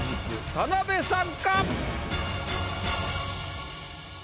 田辺さん